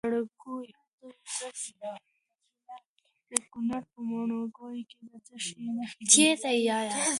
د کونړ په ماڼوګي کې د څه شي نښې دي؟